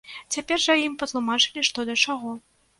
Цяпер жа ім патлумачылі што да чаго.